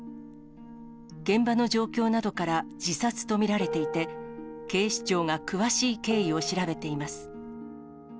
現場の状況などから自殺と見られていて、警視庁が詳しい経緯を調べています。